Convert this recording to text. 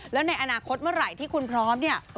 แล้วในอนาคตเมื่อไหร่ที่คุณพร้อมเนี่ย